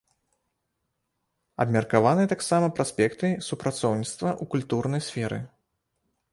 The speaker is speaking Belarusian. Абмеркаваны таксама праспекты супрацоўніцтва ў культурнай сферы.